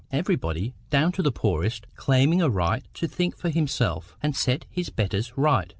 Everybody, down to the poorest, claiming a right to think for himself, and set his betters right!